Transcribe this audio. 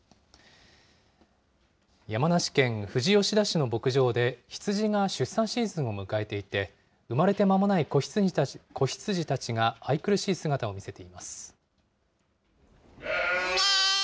山梨県富士吉田市の牧場で、羊が出産シーズンを迎えていて、生まれて間もない子羊たちが愛くるしい姿を見せています。